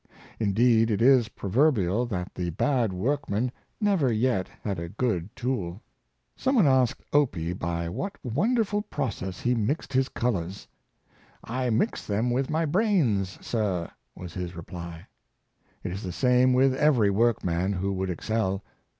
Indeed it is proverbial that the bad workman never yet had a good tool. Some one asked Opie by what wonderful process he mixed his colors. '' I mix them with m}^ brains, sir," was his reply. It is the same with every workman who would excel.